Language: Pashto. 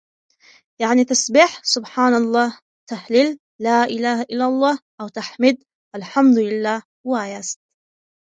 يعنې تسبيح سبحان الله، تهليل لا إله إلا الله او تحميد الحمد لله واياست